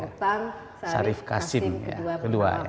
sultan syarif qasim ke dua